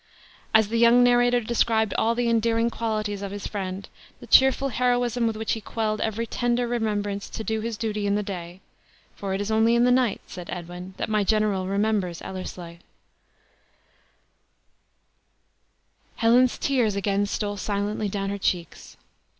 As the young narrator described all the endearing qualities of his friend, the cheerful heroism with which he quelled every tender remembrance to do his duty in the day "for it is only in the night," said Edwin, "that my general remembers Ellerslie" Helen's tears again stole silently down her cheeks.